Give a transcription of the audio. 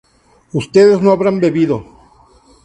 ustedes no habrán bebido